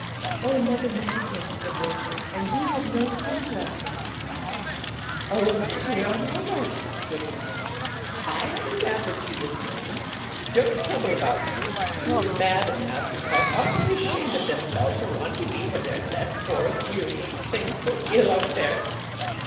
'Oh, Mother Manikin!' said Rosalie; 'and you had no sleep last night.' 'Oh, my dear, I'm all right,' said the good little woman. 'I had a nap or two this morning. Don't trouble about me; and Miss Mab and Master Puck ought to be ashamed of themselves for wanting me when there's that poor dear thing so ill out there.